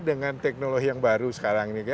dengan teknologi yang baru sekarang ini